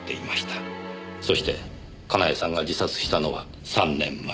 そして佳苗さんが自殺したのは３年前。